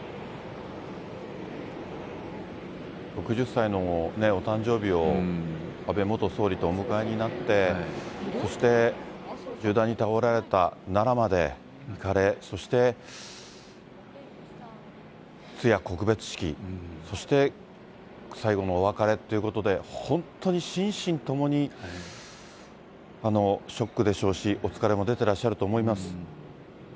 ６０歳のお誕生日を安倍元総理とお迎えになって、そして銃弾に倒れられた奈良まで行かれ、そして通夜、告別式、そして最後のお別れっていうことで、本当に心身ともにショックでしょうし、お疲れも出てらっしゃると思います。